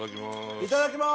いただきます